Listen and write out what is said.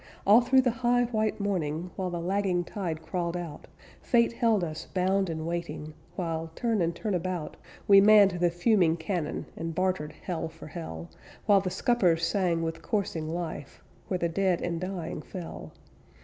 All through the high white morning, While the lagging tide crawled out, Fate held us bound and waiting, While, turn and turn about, We manned the fuming cannon And bartered hell for hell, While the scuppers sang with coursing life Where the dead and dying fell.